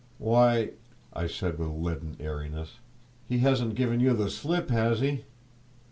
"Why," I said, with a leaden airiness, "he hasn't given you the slip, has he?"